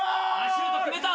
シュート決めた。